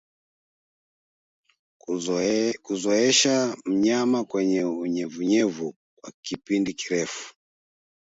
Kuzoesha mnyama kwenye unyevunyevu kwa kipindi kirefu